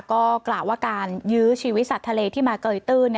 ก็กล่าวว่าการยื้อชีวิตสัตว์ทะเลที่มาเกยตื้น